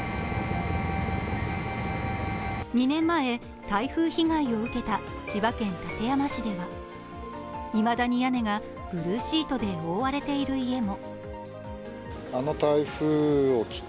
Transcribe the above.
２年前、台風被害を受けた千葉県館山市ではいまだに屋根がブルーシートで覆われている家も。